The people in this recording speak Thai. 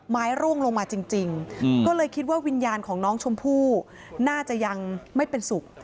ร่วงลงมาจริงก็เลยคิดว่าวิญญาณของน้องชมพู่น่าจะยังไม่เป็นสุข